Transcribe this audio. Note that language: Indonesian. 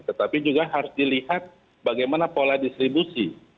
tetapi juga harus dilihat bagaimana pola distribusi